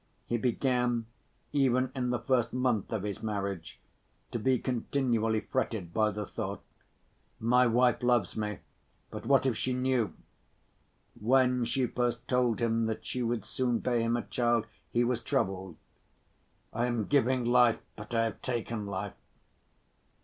He began, even in the first month of his marriage, to be continually fretted by the thought, "My wife loves me—but what if she knew?" When she first told him that she would soon bear him a child, he was troubled. "I am giving life, but I have taken life."